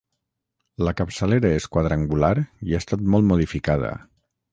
La capçalera és quadrangular i ha estat molt modificada.